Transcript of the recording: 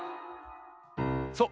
そう。